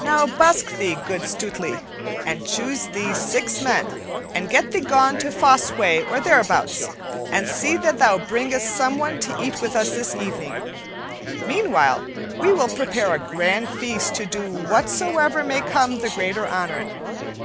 Now busk thee, good Stutely, and choose thee six men, and get thee gone to Fosse Way or thereabouts, and see that thou bringest someone to eat with us this evening. Meantime we will prepare a grand feast to do whosoever may come the greater honor.